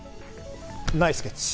ナイスキャッチ！